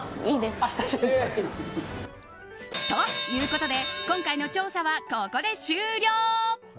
ということで今回の調査はここで終了。